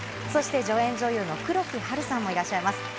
そして助演女優の黒木華さんもいらっしゃいます。